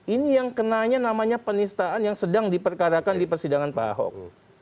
ini yang kenanya namanya penistaan yang sedang diperkarakan di persidangan pak ahok